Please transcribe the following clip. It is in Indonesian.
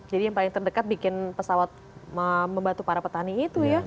yang paling terdekat bikin pesawat membantu para petani itu ya